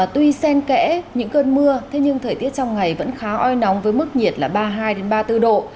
tuy sen kẽ những cơn mưa thế nhưng thời tiết trong ngày vẫn khá oi nóng với mức nhiệt là ba mươi hai ba mươi bốn độ